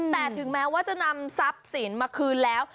แต่ถึงแม้ว่าจะนำทรัพย์สินมาคืนแล้ว